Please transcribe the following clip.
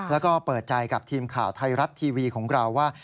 แล้วก็เปิดใจกับทีมข่าวไทยรัฐทีวีของเราว่า